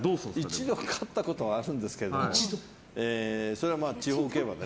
一度勝ったことはあるんですけどそれは地方競馬で。